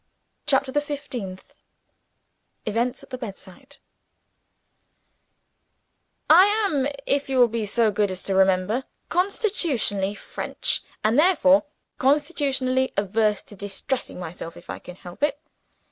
CHAPTER THE FIFTEENTH Events at the Bedside I AM, if you will be so good as to remember, constitutionally French and, therefore, constitutionally averse to distressing myself, if I can possibly help it.